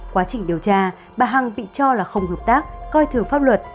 quá trình điều tra bà hằng bị cho là không hợp tác coi thường pháp luật